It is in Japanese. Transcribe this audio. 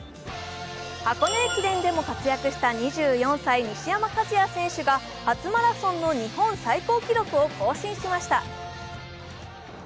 箱根駅伝でも活躍した２４歳にしやまか選手が初マラソンの日本最高記録を更新しました。